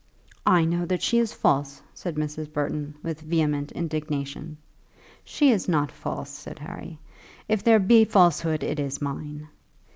"I know that she is false," said Mrs. Burton, with vehement indignation. "She is not false," said Harry; "if there be falsehood, it is mine."